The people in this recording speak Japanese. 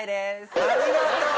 ありがとう！